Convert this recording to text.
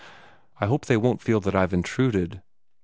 "I hope they won't feel that I have intruded."